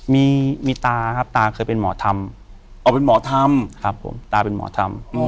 มีมีตาครับตาเคยเป็นหมอธรรมอ๋อเป็นหมอธรรมครับผมตาเป็นหมอธรรม